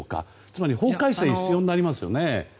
つまり法改正が必要ですよね。